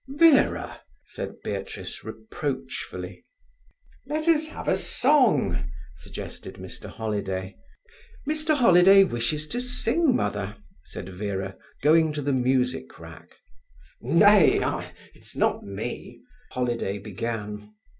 "Vera!" said Beatrice reproachfully. "Let us have a song," suggested Mr. Holiday. "Mr. Holiday wishes to sing, Mother," said Vera, going to the music rack. "Nay—I—it's not me," Holiday began.